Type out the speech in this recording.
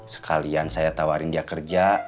sekalian saya tawarin dia kerja